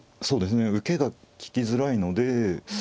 そうですね受けが利きづらいので。